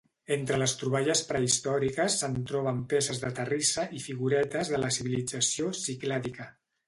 Entre les troballes prehistòriques se'n troben peces de terrissa i figuretes de la civilització ciclàdica.